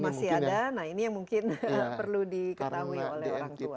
masih ada nah ini yang mungkin perlu diketahui oleh orang tua